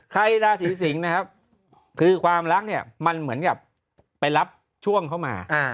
ราศีสิงศ์นะครับคือความรักเนี่ยมันเหมือนกับไปรับช่วงเข้ามา